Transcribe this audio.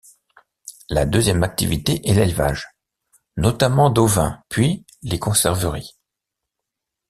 La deuxième activité est l'élevage, notamment d'ovins, puis les conserveries.